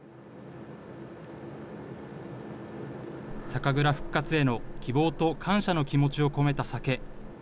酒蔵復活への希望と感謝の気持ちを込めた酒。